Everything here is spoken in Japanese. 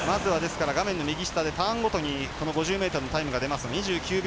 画面右下にターンごとに５０ｍのタイムが出ます。